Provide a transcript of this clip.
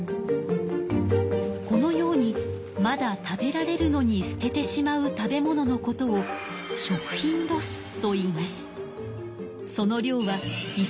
このようにまだ食べられるのに捨ててしまう食べ物のことを「食品ロス」といいます。